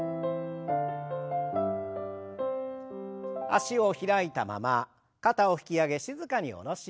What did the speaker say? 脚を開いたまま肩を引き上げ静かに下ろします。